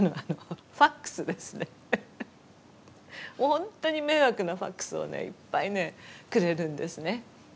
本当に迷惑なファックスをねいっぱいねくれるんですね。